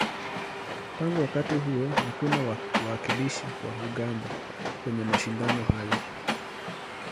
Tangu wakati huo, hakuna wawakilishi wa Uganda kwenye mashindano haya.